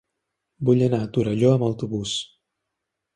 Vull anar a Torelló amb autobús.